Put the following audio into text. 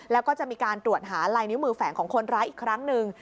แล้วก็จะมีการตรวจหาลายนิ้วมือแฝงของคนร้ายอีกครั้งหนึ่ง